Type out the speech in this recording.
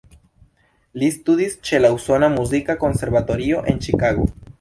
Li studis ĉe la Usona Muzika Konservatorio en Ĉikago.